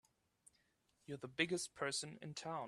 You're the biggest person in town!